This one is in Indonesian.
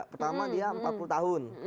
pertama dia empat puluh tahun